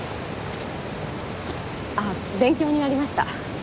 あっ勉強になりました。